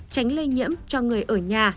tránh lây nhiễm cho người ở nhà